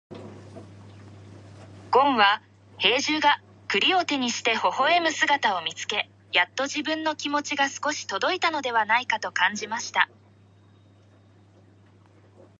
ごんは兵十が栗を手にして微笑む姿を見つけ、やっと自分の気持ちが少し届いたのではないかと感じました。